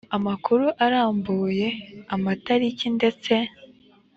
amakuru arambuye amatariki ndetse